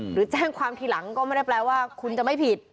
หรือแจ้งความทีหลังก็ไม่ได้แปลว่าคุณจะไม่ผิด